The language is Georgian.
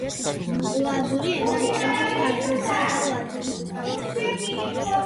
ლაზური ენა იყენებს ქართულსა და ლათინურ დამწერლობებს.